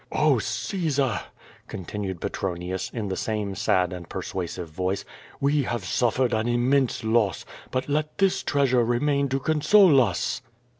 "Oh, Caesar!" continued Petronius, in the same sad and persuasive voice, "we have suffered an immense loss, but let this treasure remain to console us."